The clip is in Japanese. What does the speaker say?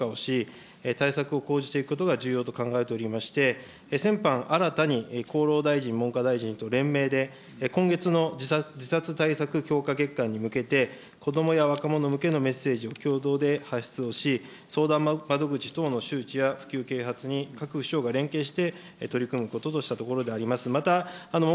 具体的には、すでにやっておることでありますが、関係府省の連携を強化をし、対策を講じていくことが重要と考えておりまして、先般、新たに厚労大臣、文科大臣と連名で、今月の自殺対策強化月間に向けて、子どもや若者向けのメッセージを共同で発出をし、相談窓口等の周知や普及啓発に各府省が連携して、取り組むこととしたことであります。